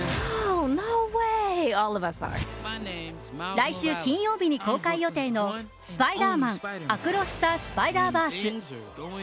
来週金曜日に公開予定の「スパイダーマン：アクロス・ザ・スパイダーバース」。